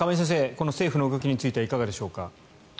この政府の動きについてはいかがでしょうか？